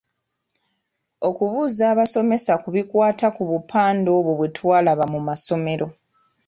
Okubuuza abasomesa ku bikwata ku bupande obwo bwe twalaba mu masomero.